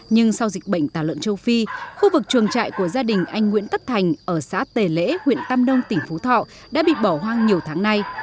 nhưng sau dịch bệnh tà lợn châu phi khu vực trường trại của gia đình anh nguyễn tất thành ở xã tề lễ huyện tam nông tỉnh phú thọ đã bị bỏ hoang nhiều tháng nay